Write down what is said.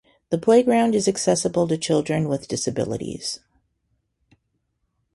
The playground is accessible to children with disabilities.